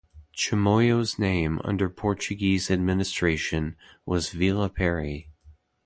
Chimoio's name under Portuguese administration was Vila Pery.